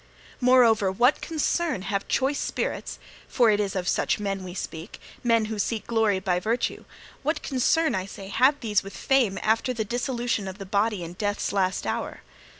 Moreover, what concern have choice spirits for it is of such men we speak, men who seek glory by virtue what concern, I say, have these with fame after the dissolution of the body in death's last hour?